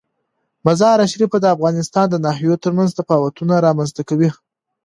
مزارشریف د افغانستان د ناحیو ترمنځ تفاوتونه رامنځ ته کوي.